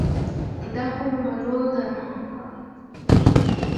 دا خو منو ده